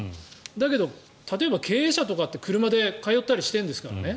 だけど、例えば経営者って車で通ったりしているんですからね。